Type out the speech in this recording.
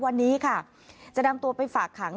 วันนี้ค่ะจะนำตัวไปฝากขัง